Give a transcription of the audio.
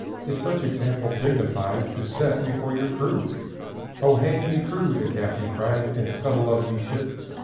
Is such example dignified To set before your crew?" "Oh hang me crew," the Captain cried, "And scuttle of me ship.